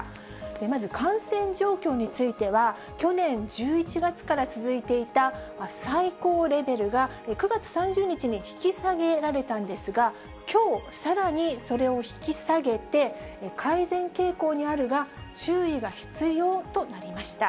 まず感染状況については、去年１１月から続いていた最高レベルが、９月３０日に引き下げられたんですが、きょう、さらにそれを引き下げて、改善傾向にあるが、注意が必要となりました。